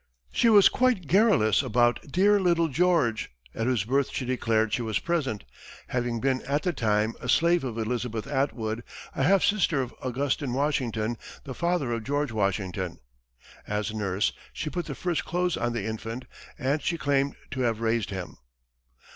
She was quite garrulous about 'dear little George,' at whose birth she declared she was present, having been at the time a slave of Elizabeth Atwood, a half sister of Augustine Washington, the father of George Washington. As nurse, she put the first clothes on the infant, and she claimed to have raised him."